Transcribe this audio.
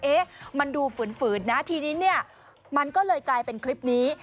เอ๊ะมันดูฝืนฝืนนะทีนี้เนี่ยมันก็เลยกลายเป็นคลิปนี้